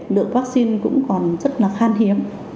lượng vaccine cũng còn rất là khan hiếm